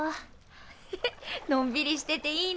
ヘヘのんびりしてていいね。